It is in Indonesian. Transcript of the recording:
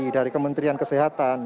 dari kementerian kesehatan